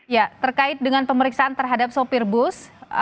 ya terkait dengan pemeriksaan terhadap sopir bus